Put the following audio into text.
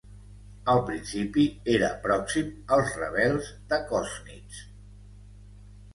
Al principi era pròxim als rebels de Kozhnitz.